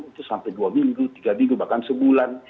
itu sampai dua minggu tiga minggu bahkan sebulan